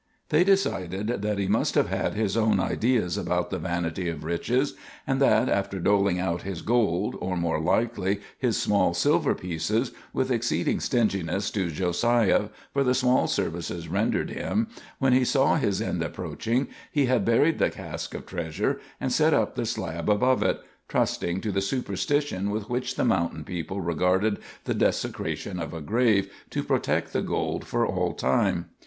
They decided that he must have had his own ideas about the vanity of riches, and that after doling out his gold, or, more likely, his small silver pieces, with exceeding stinginess to Josiah for the small services rendered him, when he saw his end approaching, he had buried the cask of treasure, and set up the slab above it, trusting to the superstition with which the mountain people regarded the desecration of a grave to protect the gold for all time.